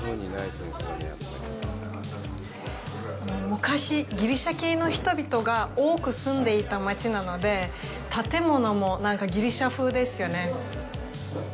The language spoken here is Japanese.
昔、ギリシャ系の人々が多く住んでいた街なので建物もギリシャ風ですよね。